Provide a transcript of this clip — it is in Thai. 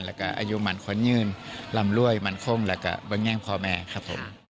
แล้วก็อายุมันคนยื่นลำรวยมั่นคงแล้วก็เบื้องแง่งพ่อแม่ครับผม